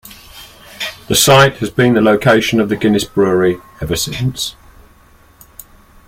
The site has been the location of the Guinness brewery ever since.